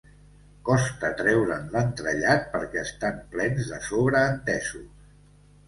Costa treure'n l'entrellat perquè estan plens de sobreentesos.